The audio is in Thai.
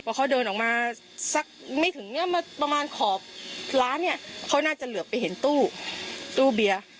พอเขาเดินออกมาสักไม่ถึงเนี้ยมาประมาณขอบร้านเนี่ยเขาน่าจะเหลือไปเห็นตู้ตู้เบียร์